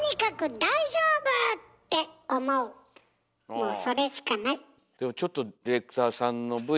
もうそれしかない。